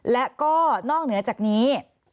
และก็นอกเหนือจากนี้